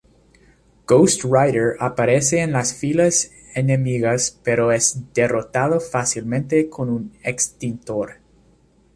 Ghost Rider aparece en las filas enemigas, pero es derrotado fácilmente con un extintor.